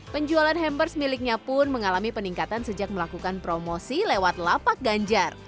penjualan hampers miliknya pun mengalami peningkatan sejak melakukan promosi lewat lapak ganjar